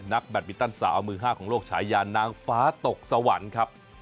แบตมินตันสาวมือ๕ของโลกฉายานางฟ้าตกสวรรค์ครับ